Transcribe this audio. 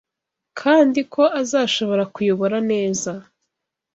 kandi ko azashobora kuyobora neza